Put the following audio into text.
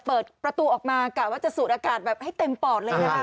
เปิดประตูออกมากะว่าจะสูดอากาศแบบให้เต็มปอดเลยนะคะ